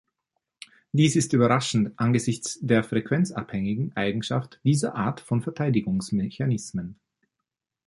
Dies ist überraschend angesichts der frequenzabhängigen Eigenschaft dieser Art von Verteidigungsmechanismen.